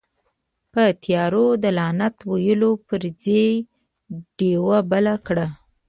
په تيارو ده لعنت ويلو پر ځئ، ډيوه بله کړه.